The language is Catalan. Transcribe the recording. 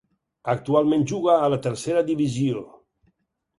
Actualment juga a la Tercera divisió.